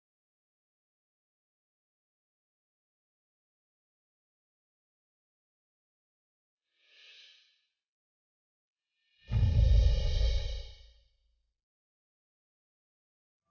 jangan ninguém kasih ngerti biasa